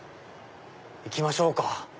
行きましょうか。